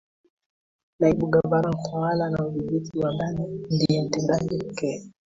naibu gavana utawala na udhibiti wa ndani ndiye mtendaji pekee